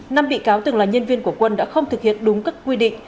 năm bị cáo từng là nhân viên của quân đã không thực hiện đúng các quy định